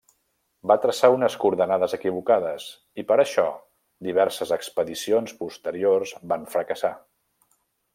Va traçar unes coordenades equivocades, i per això diverses expedicions posteriors van fracassar.